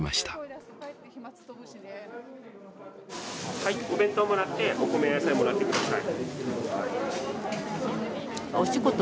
はいお弁当もらってお米や野菜もらって下さい。